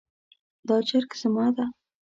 دا چرګ زما ده